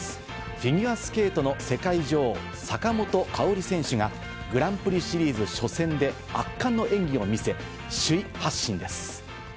フィギュアスケートの世界女王、坂本花織選手が、グランプリシリーズ初戦で圧巻の演技を見せ、首位発進です。